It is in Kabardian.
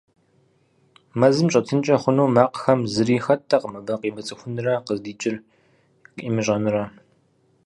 Мэзым щӏэтынкӏэ хъуну макъхэм зыри хэттэкъым абы къимыцӏыхунрэ къыздикӏыр имыщӏэнрэ.